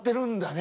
ね